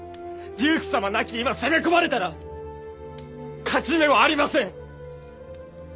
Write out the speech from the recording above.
デュークさま亡き今攻め込まれたら勝ち目はありません！